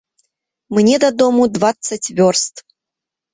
Мне дадому дваццаць вёрст.